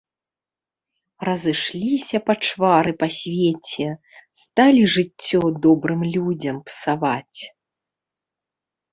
Разышліся пачвары па свеце, сталі жыццё добрым людзям псаваць.